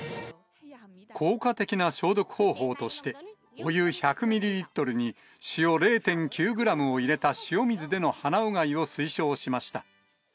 効果的な消毒方法として、お湯１００ミリリットルに塩０．９グラムを入れた塩水での鼻うがいを推奨しました。